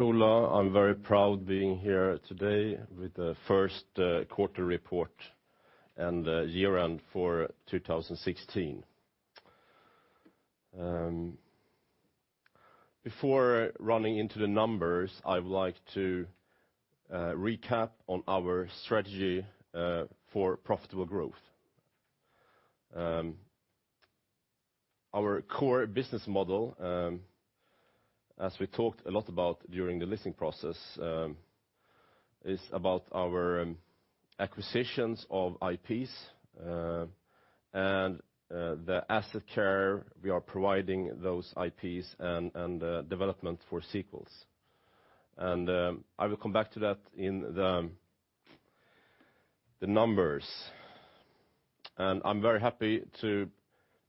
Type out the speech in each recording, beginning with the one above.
Ola. I am very proud being here today with the first quarter report and year-end for 2016. Before running into the numbers, I would like to recap on our strategy for profitable growth. Our core business model, as we talked a lot about during the listing process, is about our acquisitions of IPs and the asset care we are providing those IPs and the development for sequels. I will come back to that in the numbers. I am very happy to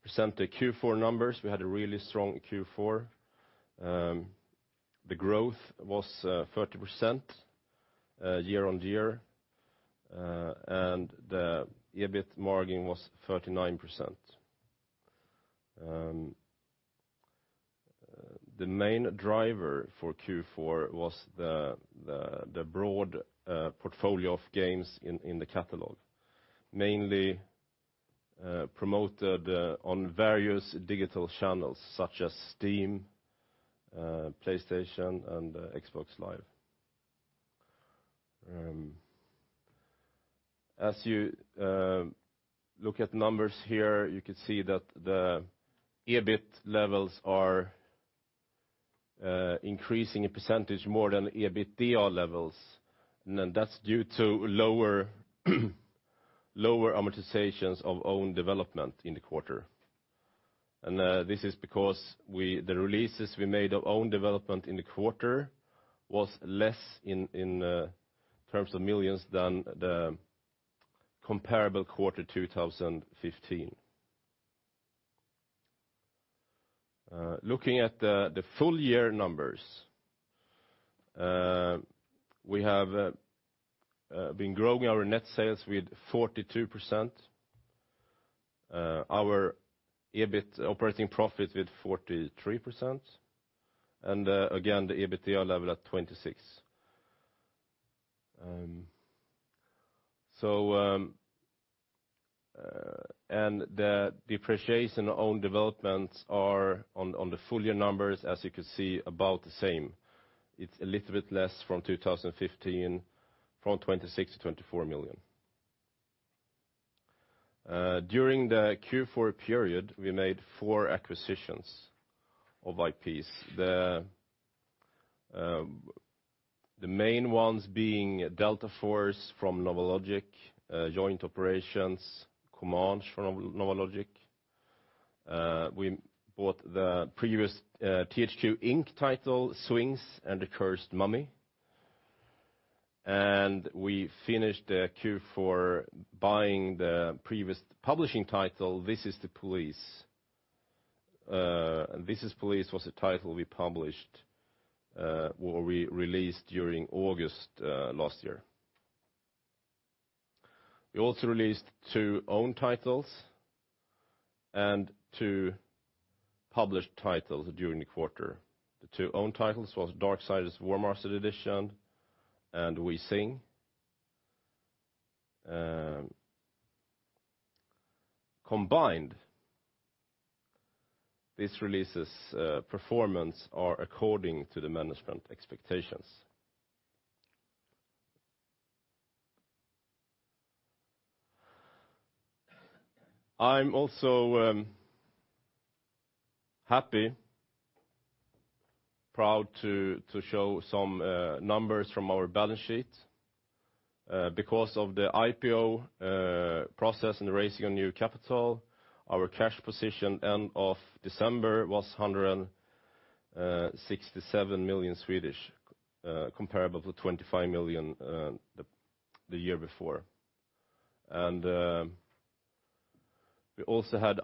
present the Q4 numbers. We had a really strong Q4. The growth was 30% year-on-year, and the EBIT margin was 39%. The main driver for Q4 was the broad portfolio of games in the catalog, mainly promoted on various digital channels such as Steam, PlayStation, and Xbox Live. As you look at numbers here, you can see that the EBIT levels are increasing in percentage more than the EBITDA levels. That is due to lower amortizations of own development in the quarter. This is because the releases we made of own development in the quarter was less in terms of millions than the comparable quarter 2015. Looking at the full year numbers. We have been growing our net sales with 42%, our EBIT operating profit with 43%, and again, the EBITDA level at 26%. The depreciation own developments are on the full year numbers, as you can see, about the same. It is a little bit less from 2015, from 26 million to 24 million. During the Q4 period, we made 4 acquisitions of IPs. The main ones being Delta Force from NovaLogic, Joint Operations, Comanche from NovaLogic. We bought the previous THQ Inc. title, Sphinx and the Cursed Mummy. We finished the Q4 buying the previous publishing title, This Is the Police. This Is the Police was a title we published, or we released during August last year. We also released 2 own titles and 2 published titles during the quarter. The 2 own titles was Darksiders Warmastered Edition and We Sing. Combined, these releases' performance are according to the management expectations. I am also happy, proud to show some numbers from our balance sheet. Because of the IPO process and raising of new capital, our cash position end of December was 167 million, comparable to 25 million the year before. We also had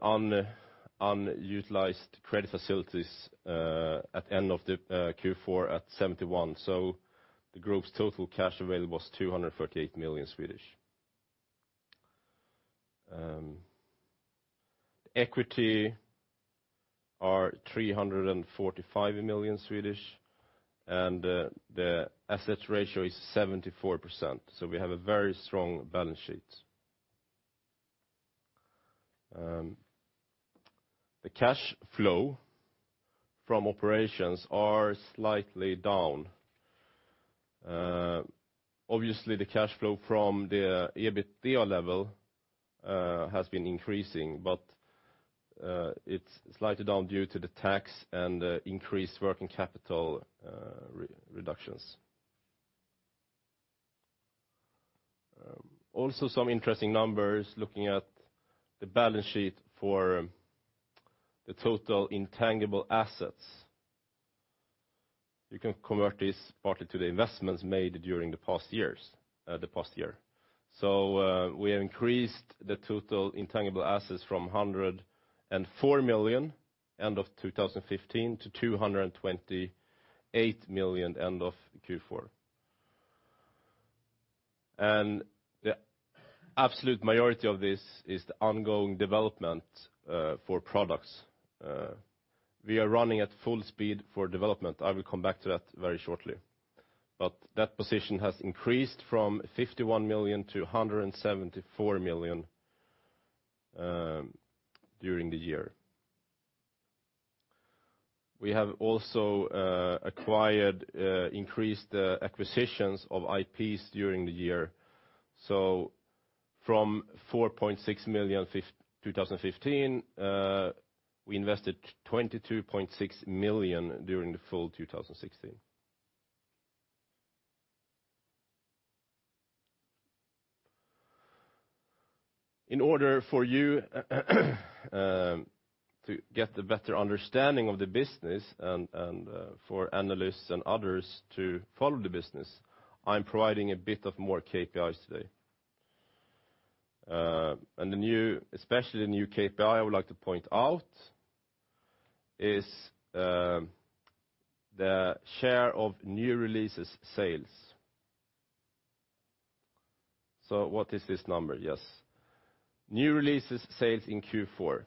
unutilized credit facilities at end of the Q4 at 71 million. The group's total cash available was 238 million. Equity are 345 million, and the assets ratio is 74%. We have a very strong balance sheet. The cash flow from operations are slightly down. Obviously, the cash flow from the EBITDA level has been increasing, but it is slightly down due to the tax and increased working capital reductions. Also some interesting numbers looking at the balance sheet for the total intangible assets. You can convert this partly to the investments made during the past year. We have increased the total intangible assets from 104 million end of 2015 to 228 million end of Q4. The absolute majority of this is the ongoing development for products. We are running at full speed for development. I will come back to that very shortly. That position has increased from 51 million to 174 million during the year. We have also increased acquisitions of IPs during the year. From 4.6 million in 2015, we invested 22.6 million during full 2016. In order for you to get a better understanding of the business and for analysts and others to follow the business, I'm providing a bit more KPIs today. The new KPI I would like to point out is the share of new releases sales. What is this number? New releases sales in Q4.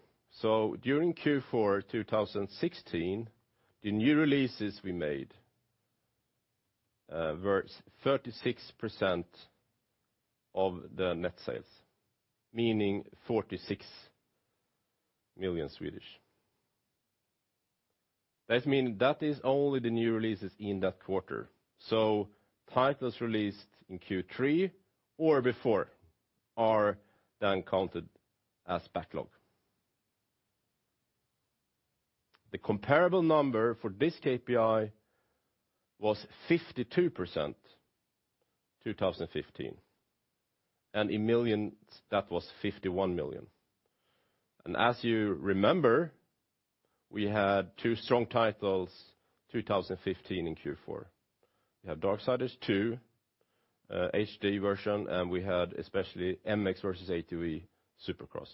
During Q4 2016, the new releases we made were 36% of the net sales, meaning 46 million. That is only the new releases in that quarter. Titles released in Q3 or before are then counted as backlog. The comparable number for this KPI was 52% in 2015. In millions, that was 51 million. As you remember, we had two strong titles in 2015 in Q4. We have Darksiders II HD version, and we had especially MX vs. ATV Supercross.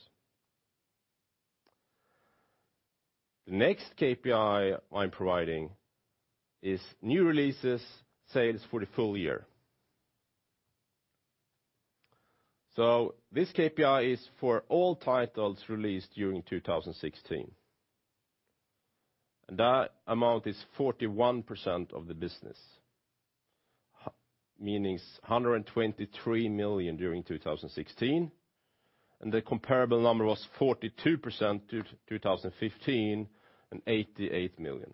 The next KPI I'm providing is new releases sales for the full year. This KPI is for all titles released during 2016. That amount is 41% of the business, meaning 123 million during 2016. The comparable number was 42% in 2015, and 88 million.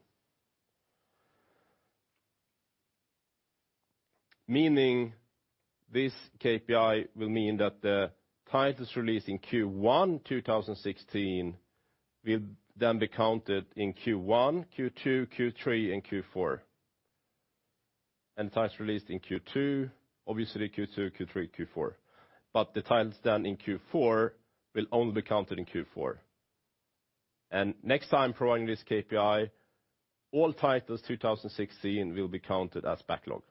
This KPI will mean that the titles released in Q1 2016 will then be counted in Q1, Q2, Q3, and Q4. The titles released in Q2, obviously Q2, Q3, Q4. The titles done in Q4 will only be counted in Q4. Next time providing this KPI, all titles in 2016 will be counted as backlog.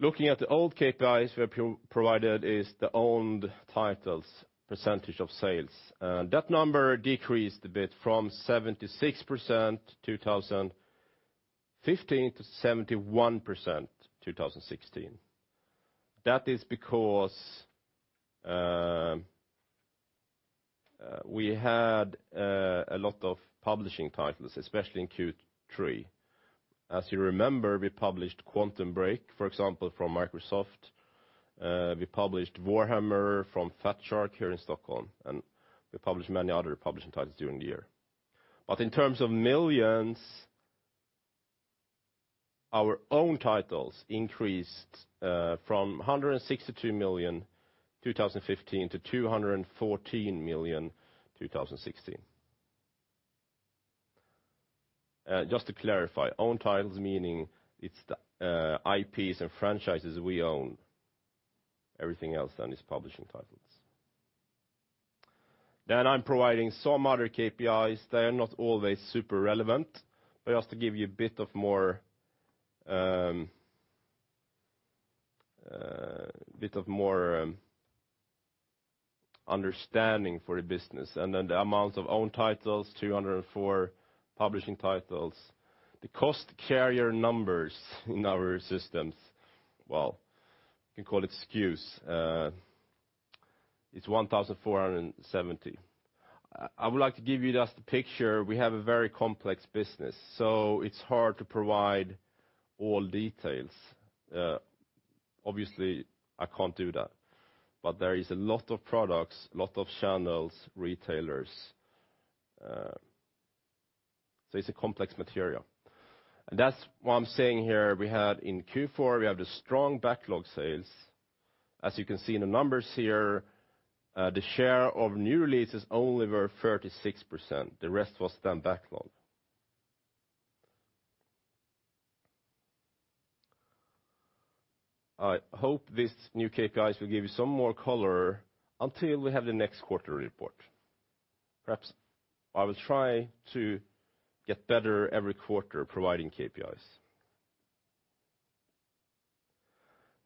Looking at the old KPIs we have provided is the owned titles' percentage of sales. That number decreased a bit from 76% in 2015 to 71% in 2016. That is because we had a lot of publishing titles, especially in Q3. As you remember, we published Quantum Break, for example, from Microsoft. We published Warhammer: End Times - Vermintide from Fatshark here in Stockholm, and we published many other publishing titles during the year. In terms of millions, our own titles increased from 162 million in 2015 to 214 million in 2016. Just to clarify, own titles, meaning it's the IPs and franchises we own. Everything else then is publishing titles. I'm providing some other KPIs. They are not always super relevant, but just to give you a bit more understanding for the business. The amount of own titles, 204 publishing titles. The cost carrier numbers in our systems, well, you can call it SKUs, it is 1,470. I would like to give you just a picture. We have a very complex business, so it's hard to provide all details. Obviously, I can't do that. There is a lot of products, a lot of channels, retailers. It is a complex material. That is why I'm saying here, we had in Q4, we have the strong backlog sales. As you can see in the numbers here, the share of new releases only were 36%. The rest was then backlog. I hope these new KPIs will give you some more color until we have the next quarter report. Perhaps I will try to get better every quarter providing KPIs.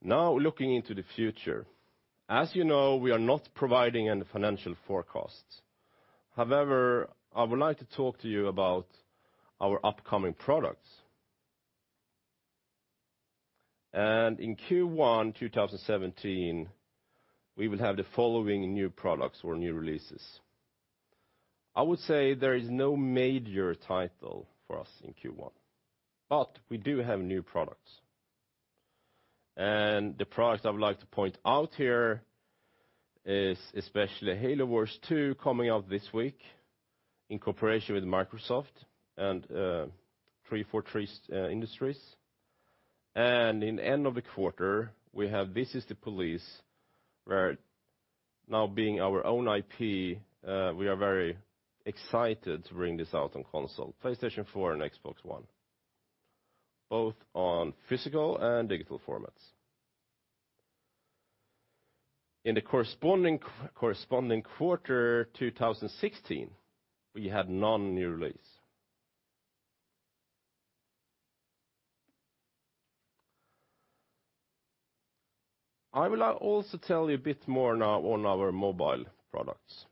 Now looking into the future. As you know, we are not providing any financial forecasts. However, I would like to talk to you about our upcoming products. In Q1 2017, we will have the following new products or new releases. I would say there is no major title for us in Q1, but we do have new products. The product I would like to point out here is especially "Halo Wars 2" coming out this week in cooperation with Microsoft and 343 Industries. In end of the quarter, we have "This Is the Police," where now being our own IP, we are very excited to bring this out on console, PlayStation 4 and Xbox One, both on physical and digital formats. In the corresponding quarter 2016, we had no new release. I will now also tell you a bit more now on our mobile products.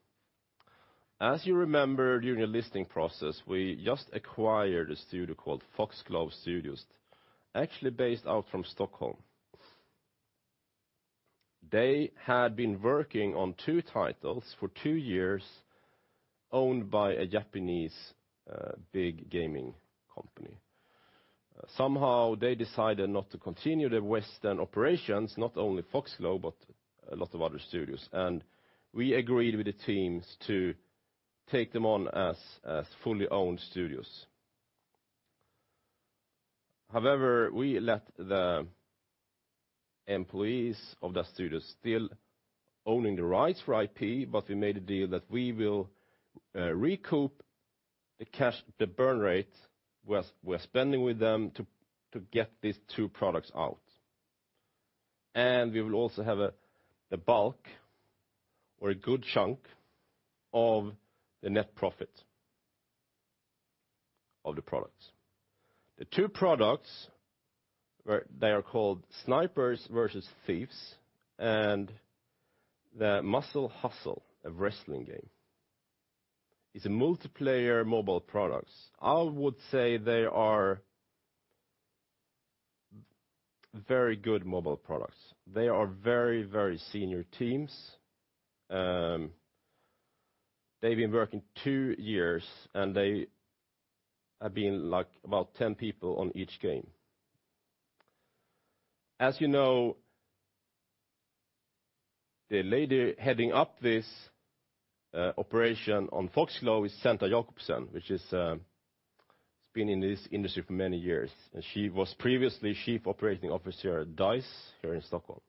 As you remember, during the listing process, we just acquired a studio called Foxglove Studios, actually based out from Stockholm. They had been working on two titles for two years, owned by a Japanese big gaming company. Somehow they decided not to continue their Western operations, not only Foxglove but a lot of other studios, we agreed with the teams to take them on as fully owned studios. However, we let the employees of that studio still owning the rights for IP, but we made a deal that we will recoup the burn rate we're spending with them to get these two products out. We will also have the bulk or a good chunk of the net profit of the products. The two products, they are called "Snipers vs Thieves" and "The Muscle Hustle," a wrestling game. It's a multiplayer mobile products. I would say they are very good mobile products. They are very senior teams. They've been working two years, and they have been about 10 people on each game. As you know, the lady heading up this operation on Foxglove is Senta Jakobsen, which has been in this industry for many years. She was previously chief operating officer at DICE here in Stockholm.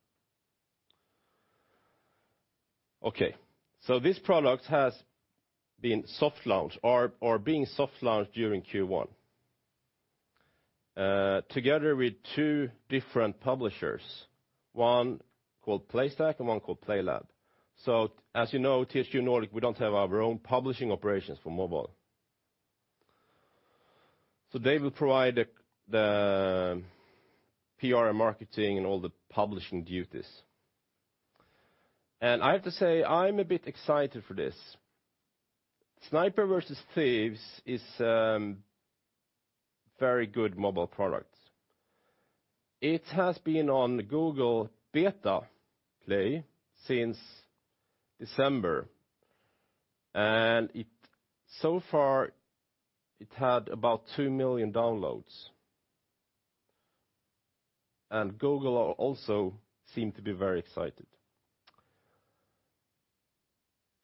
Okay. This product has been soft launched or being soft launched during Q1, together with two different publishers, one called Playstack and one called Playlab. As you know, THQ Nordic, we don't have our own publishing operations for mobile. They will provide the PR and marketing and all the publishing duties. I have to say, I'm a bit excited for this. "Snipers vs Thieves" is a very good mobile product. It has been on Google Play beta since December, and so far it had about 2 million downloads. Google also seemed to be very excited.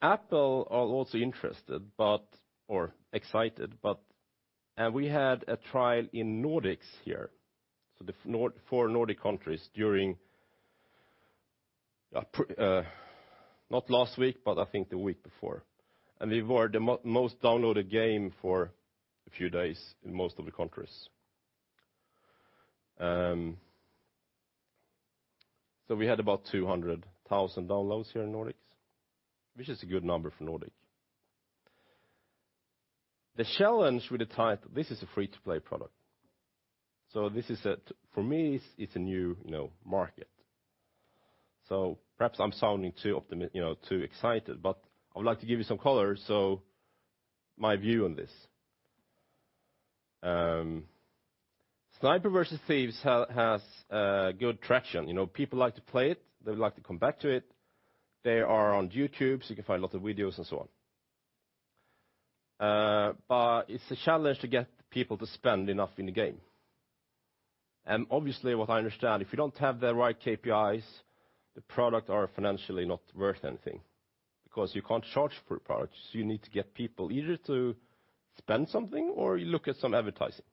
Apple are also interested or excited, we had a trial in Nordics here. The four Nordic countries during, not last week, but I think the week before. We were the most downloaded game for a few days in most of the countries. We had about 200,000 downloads here in Nordics, which is a good number for Nordic. The challenge with the title, this is a free-to-play product. This is it. For me, it's a new market. Perhaps I'm sounding too excited, but I would like to give you some color, my view on this. "Snipers vs Thieves" has good traction. People like to play it. They like to come back to it. They are on YouTube, you can find a lot of videos and so on. It's a challenge to get people to spend enough in the game. Obviously, what I understand, if you don't have the right KPIs, the product are financially not worth anything because you can't charge for a product. You need to get people either to spend something or look at some advertising.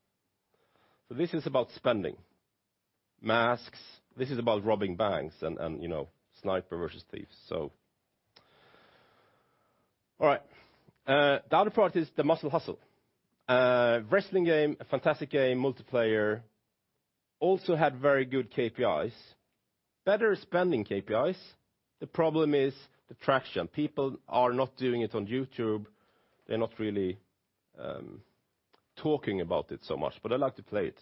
This is about spending. Masks. This is about robbing banks and Snipers vs Thieves. All right. The other product is The Muscle Hustle. A wrestling game, a fantastic game, multiplayer, also had very good KPIs, better spending KPIs. The problem is the traction. People are not doing it on YouTube. They're not really talking about it so much, but I like to play it.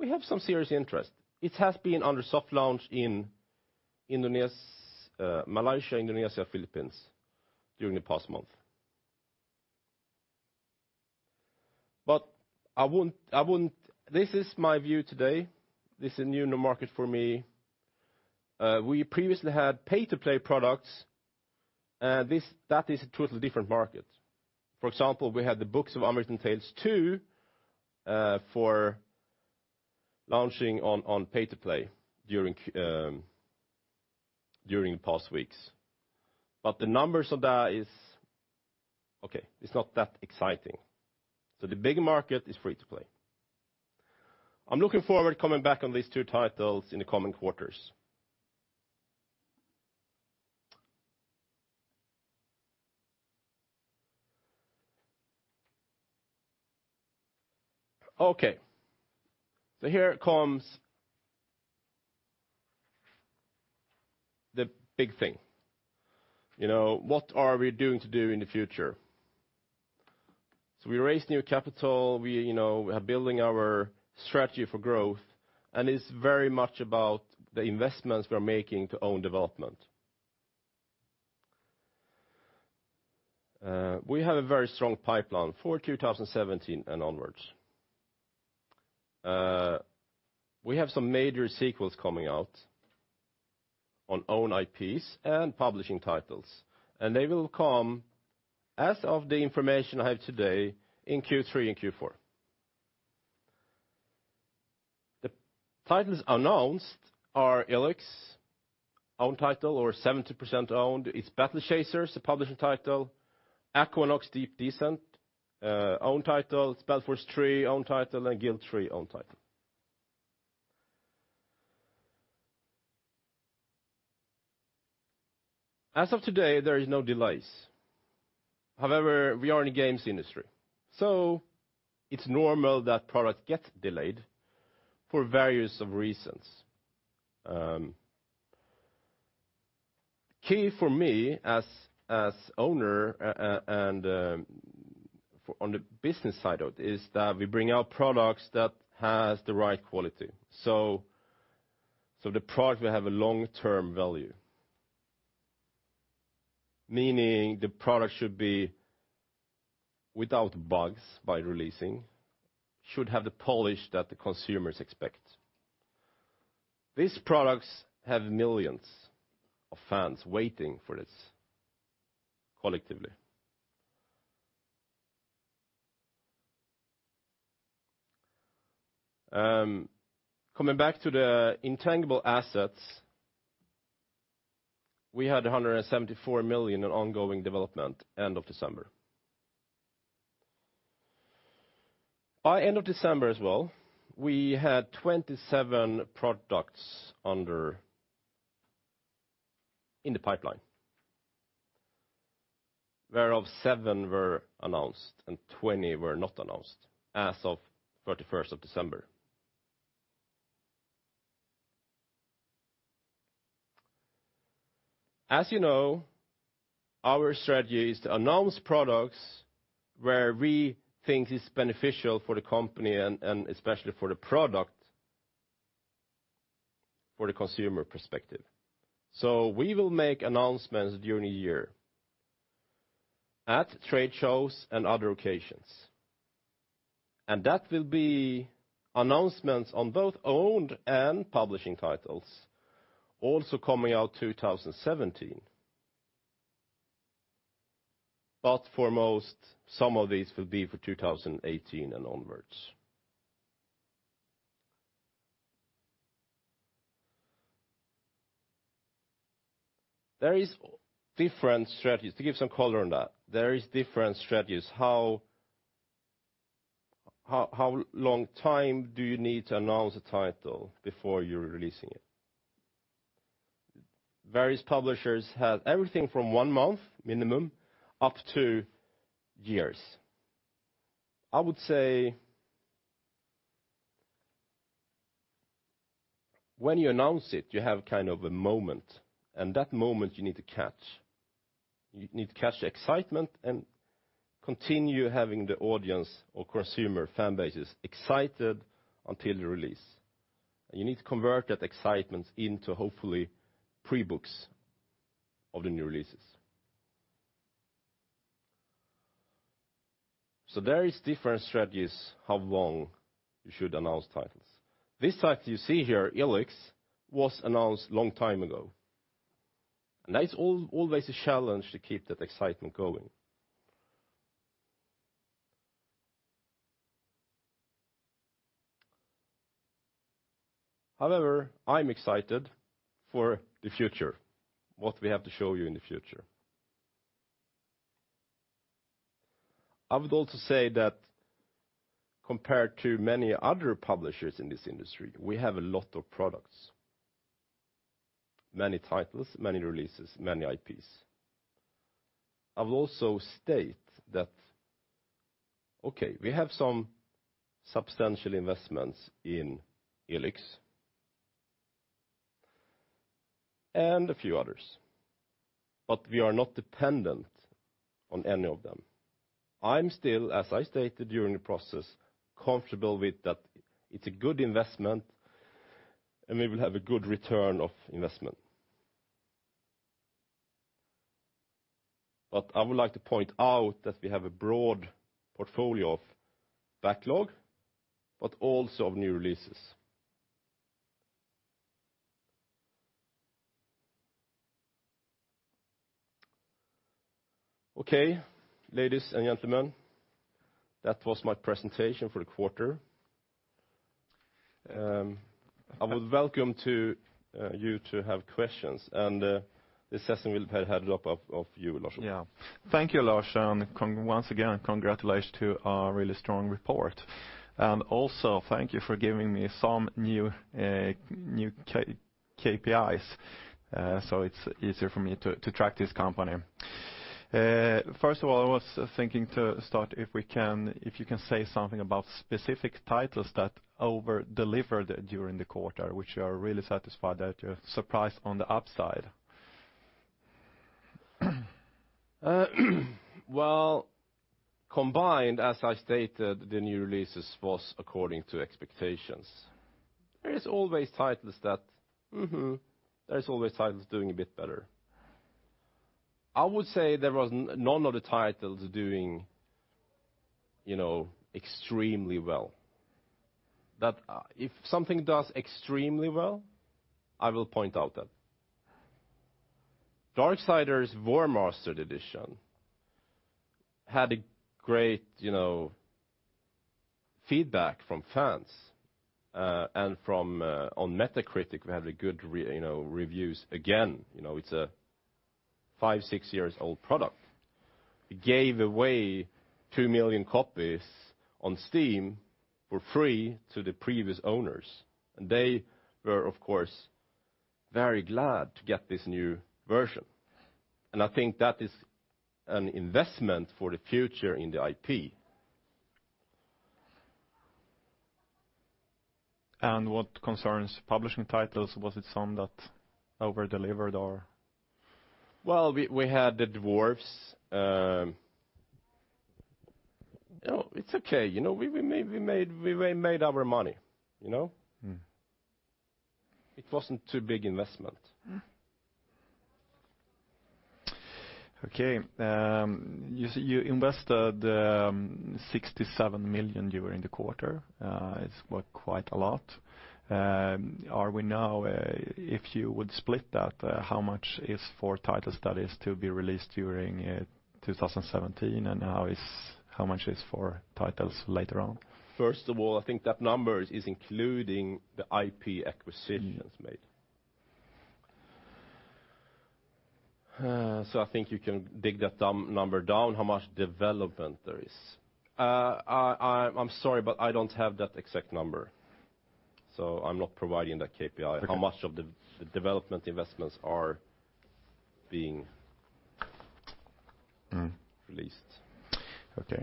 We have some serious interest. It has been under soft launch in Malaysia, Indonesia, Philippines during the past month. This is my view today. This is a new market for me. We previously had pay-to-play products. That is a totally different market. For example, we had "The Book of Unwritten Tales 2" for launching on pay-to-play during the past weeks. The numbers of that is not that exciting. The big market is free-to-play. I'm looking forward coming back on these two titles in the coming quarters. Here comes the big thing. What are we doing to do in the future? We raised new capital. We are building our strategy for growth, and it's very much about the investments we are making to own development. We have a very strong pipeline for 2017 and onwards. We have some major sequels coming out on own IPs and publishing titles, and they will come as of the information I have today in Q3 and Q4. The titles announced are ELEX own title or 70% owned. It's "Battle Chasers," the publishing title, "Aquanox Deep Descent" own title, "SpellForce 3" own title, and "The Guild 3" own title. As of today, there is no delays. However, we are in the games industry, so it's normal that product gets delayed for various of reasons. Key for me as owner and on the business side of it is that we bring out products that has the right quality. The product will have a long-term value, meaning the product should be without bugs by releasing, should have the polish that the consumers expect. These products have millions of fans waiting for this collectively. Coming back to the intangible assets, we had 174 million in ongoing development end of December. By end of December as well, we had 27 products in the pipeline. Whereof seven were announced and 20 were not announced as of 31st of December. As you know, our strategy is to announce products where we think it's beneficial for the company and especially for the product for the consumer perspective. We will make announcements during the year at trade shows and other occasions. That will be announcements on both owned and publishing titles also coming out 2017. Foremost, some of these will be for 2018 and onwards. There is different strategies. To give some color on that, there is different strategies. How long time do you need to announce a title before you're releasing it? Various publishers have everything from one month minimum up to years. I would say when you announce it, you have a moment, and that moment you need to catch. You need to catch the excitement and continue having the audience or consumer fan bases excited until the release. You need to convert that excitement into, hopefully, pre-books of the new releases. There is different strategies how long you should announce titles. This title you see here, "ELEX," was announced long time ago. That is always a challenge to keep that excitement going. However, I'm excited for the future, what we have to show you in the future. I would also say that compared to many other publishers in this industry, we have a lot of products, many titles, many releases, many IPs. I would also state that we have some substantial investments in "ELEX." A few others. We are not dependent on any of them. I'm still, as I stated during the process, comfortable with that it's a good investment, and we will have a good return of investment. I would like to point out that we have a broad portfolio of backlog, but also of new releases. Okay. Ladies and gentlemen, that was my presentation for the quarter. I would welcome you to have questions, and this session will be headed up of you, Lars. Yeah. Thank you, Lars, once again, congratulations to a really strong report. Also thank you for giving me some new KPIs, it's easier for me to track this company. First of all, I was thinking to start if you can say something about specific titles that over-delivered during the quarter, which you are really satisfied that you're surprised on the upside. Well, combined, as I stated, the new releases was according to expectations. There is always titles doing a bit better. I would say there was none of the titles doing extremely well. That if something does extremely well, I will point out that. Darksiders Warmastered Edition had a great feedback from fans, on Metacritic, we have the good reviews again. It's a five, six years old product. It gave away 2 million copies on Steam for free to the previous owners. They were, of course, very glad to get this new version, and I think that is an investment for the future in the IP. What concerns publishing titles, was it some that over-delivered or? Well, we had The Dwarves. It's okay. We made our money. It wasn't too big investment. Okay. You invested 67 million during the quarter. It's quite a lot. Are we now, if you would split that, how much is for titles that is to be released during 2017, and how much is for titles later on? First of all, I think that number is including the IP acquisitions made. I think you can dig that number down how much development there is. I'm sorry, but I don't have that exact number, so I'm not providing that KPI. Okay. How much of the development investments are being released. Okay.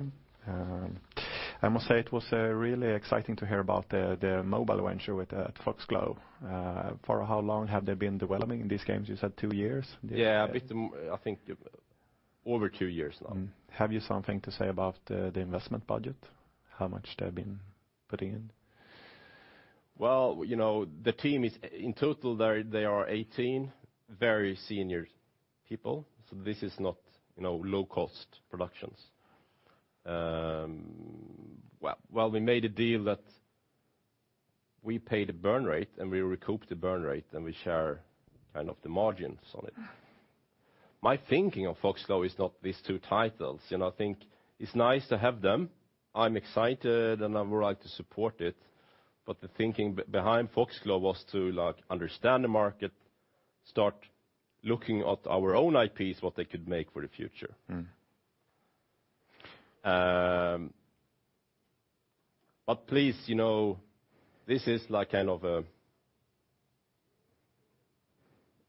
I must say it was really exciting to hear about the mobile venture with Foxglove. For how long have they been developing these games? You said two years? Yeah, a bit more, I think over two years now. Have you something to say about the investment budget, how much they've been putting in? The team is in total, they are 18 very senior people, so this is not low-cost productions. We made a deal that we pay the burn rate, and we recoup the burn rate, and we share the margins on it. My thinking of Foxglove is not these two titles. I think it's nice to have them. I'm excited, and I would like to support it. The thinking behind Foxglove was to understand the market, start looking at our own IPs, what they could make for the future. Please, this is a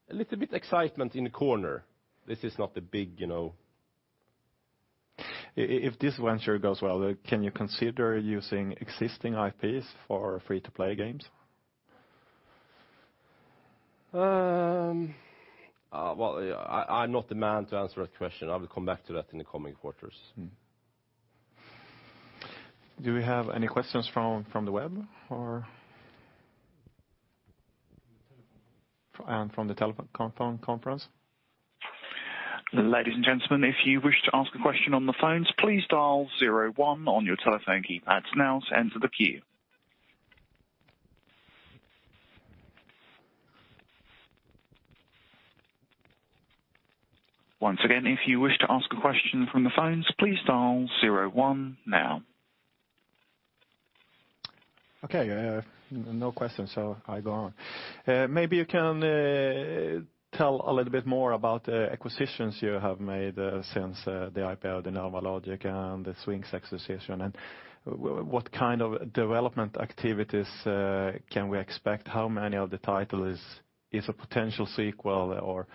little bit excitement in the corner. If this venture goes well, can you consider using existing IPs for free-to-play games? Well, I am not the man to answer that question. I will come back to that in the coming quarters. Do we have any questions from the web or from the telephone conference? Ladies and gentlemen, if you wish to ask a question on the phones, please dial zero one on your telephone keypads now to enter the queue. Once again, if you wish to ask a question from the phones, please dial zero one now. Okay. No questions, I go on. Maybe you can tell a little bit more about acquisitions you have made since the IPO, the NovaLogic and the Sphinx acquisition, and what kind of development activities can we expect? How many of the title is a potential sequel?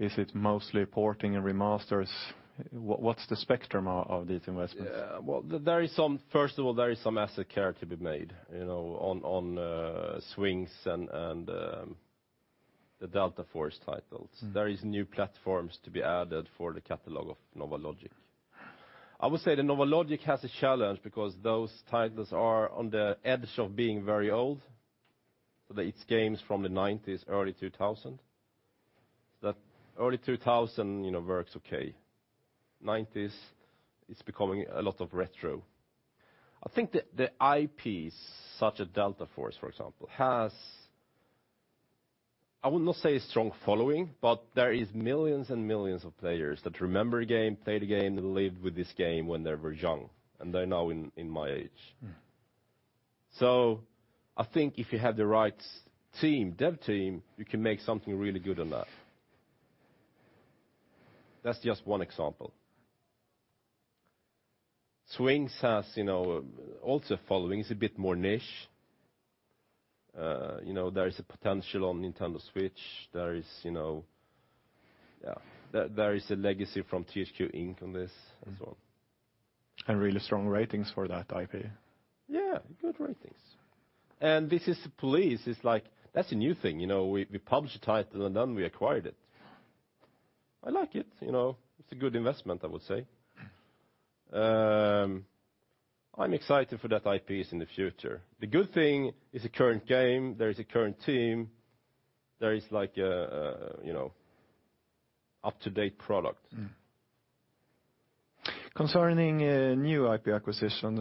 Is it mostly porting and remasters? What is the spectrum of these investments? There is some asset care to be made on Sphinx and the Delta Force titles. There are new platforms to be added for the catalog of NovaLogic. I would say that NovaLogic has a challenge because those titles are on the edge of being very old. It is games from the 1990s, early 2000s. Early 2000s works okay. 1990s, it is becoming a lot of retro. I think the IPs, such as Delta Force, for example, has, I would not say a strong following, but there are millions and millions of players that remember the game, played the game, lived with this game when they were young, and they are now in my age. I think if you have the right dev team, you can make something really good on that. That is just one example. Sphinx has also a following. It is a bit more niche. There is a potential on Nintendo Switch. There is a legacy from THQ Inc. on this as well. Really strong ratings for that IP. Good ratings. This Is the Police, that is a new thing. We published the title, then we acquired it. I like it. It is a good investment, I would say. I am excited for that IP in the future. The good thing, it is a current game, there is a current team, there is up-to-date product. Concerning new IP acquisition,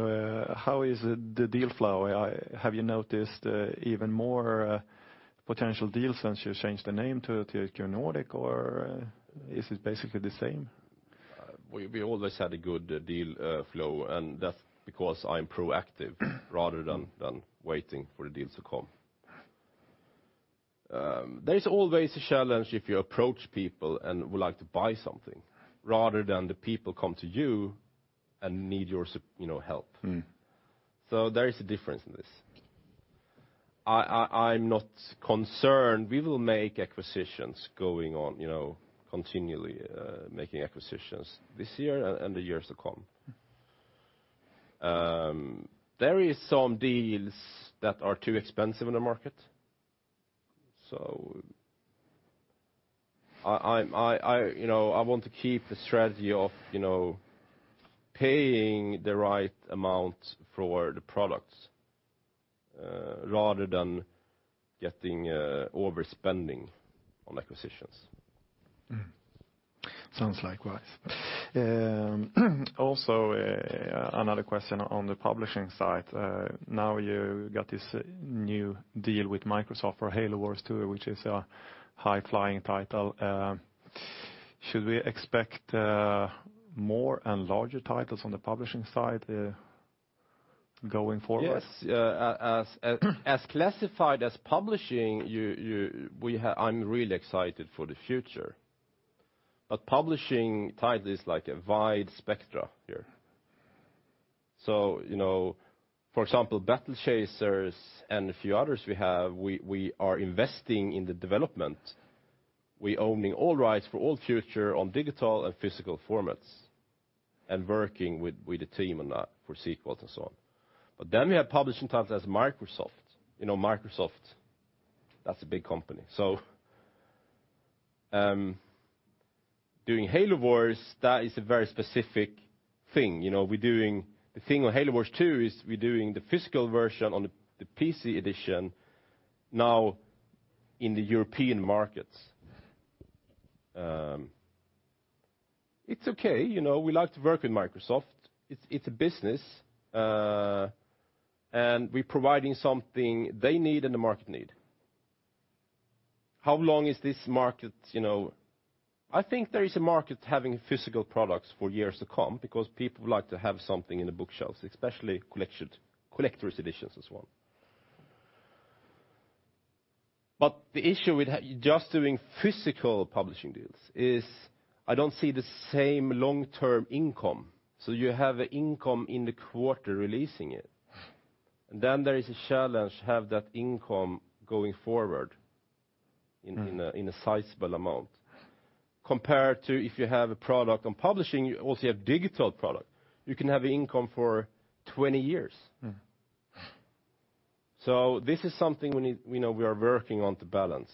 how is the deal flow? Have you noticed even more potential deals since you changed the name to THQ Nordic, or is it basically the same? We always had a good deal flow. That's because I'm proactive rather than waiting for the deals to come. There is always a challenge if you approach people and would like to buy something, rather than the people come to you and need your help. There is a difference in this. I'm not concerned. We will make acquisitions going on continually making acquisitions this year and the years to come. There is some deals that are too expensive in the market. I want to keep the strategy of paying the right amount for the products, rather than getting overspending on acquisitions. Sounds likewise. Also, another question on the publishing side. Now you got this new deal with Microsoft for "Halo Wars 2," which is a high-flying title. Should we expect more and larger titles on the publishing side going forward? Yes. As classified as publishing, I'm really excited for the future. Publishing title is a wide spectrum here. For example, Battle Chasers and a few others we have, we are investing in the development. We own all rights for all future on digital and physical formats and working with the team on that for sequels and so on. We have publishing titles as Microsoft. Microsoft, that's a big company, doing Halo Wars, that is a very specific thing. The thing with Halo Wars 2 is we're doing the physical version on the PC edition now in the European markets. It's okay. We like to work with Microsoft. It's a business, and we're providing something they need and the market needs. How long is this market? I think there is a market having physical products for years to come because people like to have something in the bookshelves, especially collector's editions as well. The issue with just doing physical publishing deals is I don't see the same long-term income. You have an income in the quarter releasing it, and then there is a challenge to have that income going forward in a sizable amount. Compared to if you have a product on publishing, you also have digital product. You can have income for 20 years. This is something we are working on to balance.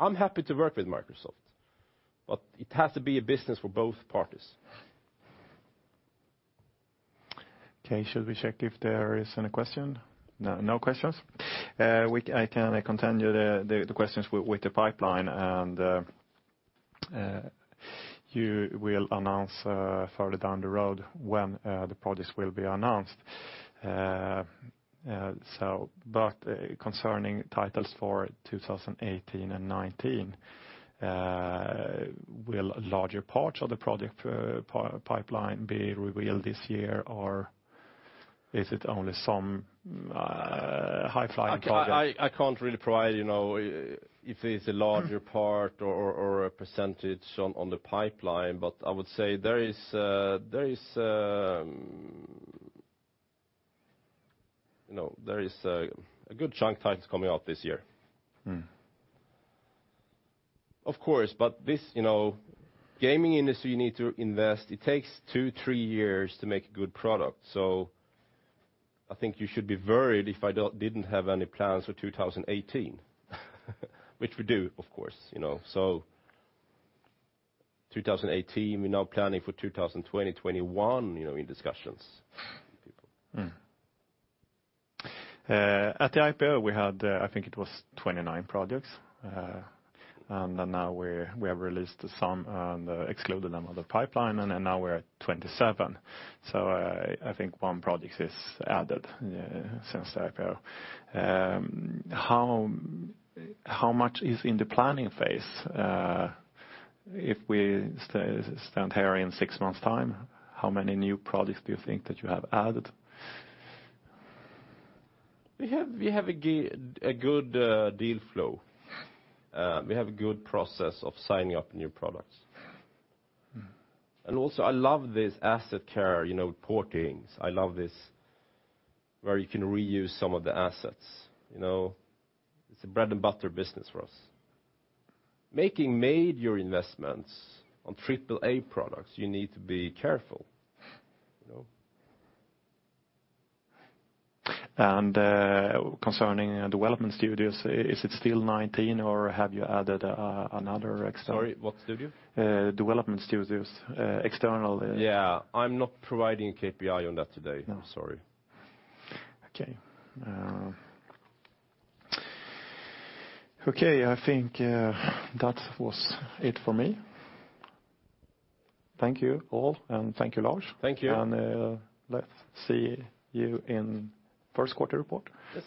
I'm happy to work with Microsoft, but it has to be a business for both parties. Okay, should we check if there is any question? No questions. I can continue the questions with the pipeline, and you will announce further down the road when the projects will be announced. Concerning titles for 2018 and 2019, will larger parts of the project pipeline be revealed this year, or is it only some high-flying projects? I can't really provide if it's a larger part or a % on the pipeline, but I would say there is a good chunk of titles coming out this year. Of course, gaming industry, you need to invest. It takes two, three years to make a good product. I think you should be worried if I didn't have any plans for 2018. Which we do, of course. 2018, we're now planning for 2020, 2021, in discussions. At the IPO, we had, I think it was 29 projects. Now we have released some and excluded them on the pipeline, and now we're at 27. I think one project is added since the IPO. How much is in the planning phase? If we stand here in six months' time, how many new projects do you think that you have added? We have a good deal flow. We have a good process of signing up new products. Also, I love this asset care, portings. I love this where you can reuse some of the assets. It's a bread-and-butter business for us. Making major investments on AAA products, you need to be careful. Concerning development studios, is it still 19, or have you added another external? Sorry, what studio? Development studios, external. Yeah. I'm not providing a KPI on that today. No. I'm sorry. Okay. Okay, I think that was it for me. Thank you all, and thank you, Lars. Thank you. Let's see you in first quarter report. Yes.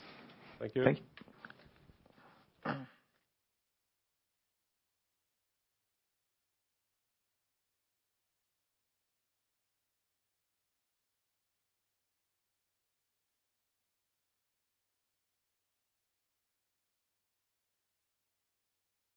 Thank you. Thank you.